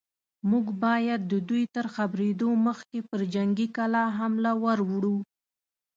موږ بايد د دوی تر خبرېدو مخکې پر جنګي کلا حمله ور وړو.